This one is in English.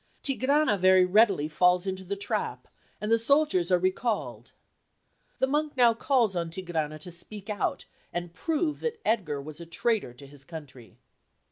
Tigrana very readily falls into the trap and the soldiers are recalled. The monk now calls on Tigrana to speak out, and prove that Edgar was a traitor to his country.